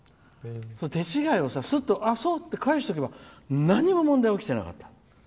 手違いを、すっとあ、そう？って返しておけば何も問題、起きてなかった。